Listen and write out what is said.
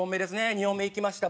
２本目いきました。